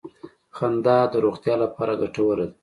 • خندا د روغتیا لپاره ګټوره ده.